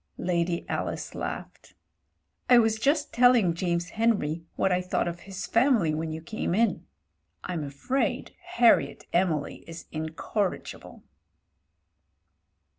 Lady Alice laughed. "I was just telling James Henry what I thought of his Family when you came in. Fm afraid Harriet Emily is incorrigible."